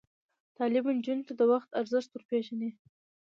تعلیم نجونو ته د وخت ارزښت ور پېژني.